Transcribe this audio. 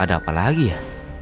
ada apa lagi ya